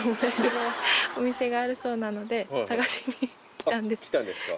来たんですか。